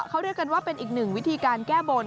เขาเรียกกันว่าเป็นอีกหนึ่งวิธีการแก้บน